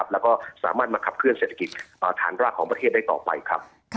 แล้วก็สามารถมาขับเคลื่อเศรษฐกิจฐานรากของประเทศได้ต่อไปครับ